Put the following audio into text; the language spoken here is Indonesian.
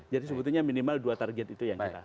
jadi sebetulnya minimal dua target itu yang kira